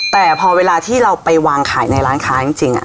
แต่พอเวลาที่เราไปวางขายในร้านค้าจริง